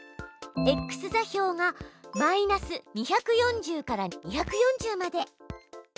ｘ座標が−２４０から２４０まで。